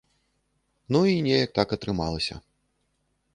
Ну і неяк так атрымалася.